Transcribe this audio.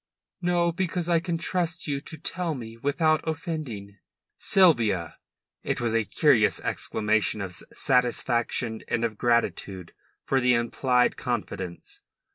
"No. Because I can trust you to tell me without offending." "Sylvia!" It was a curious exclamation of satisfaction and of gratitude for the implied confidence.